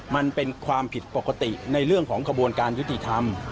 มันเป็นความผิดปกติในเรื่องของกระบวนการยุติธรรม